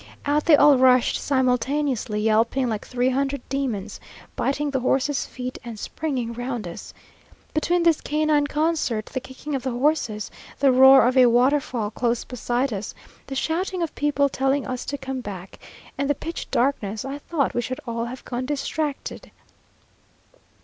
Out they all rushed simultaneously, yelping like three hundred demons, biting the horses' feet, and springing round us. Between this canine concert, the kicking of the horses, the roar of a waterfall close beside us, the shouting of people telling us to come back, and the pitch darkness, I thought we should all have gone distracted.